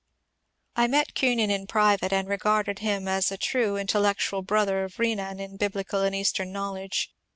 I met Kuenen in private and regarded him as a true in tellectual brother of Benan in Biblical and Eastern knowledge.